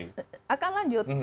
iya akan lanjut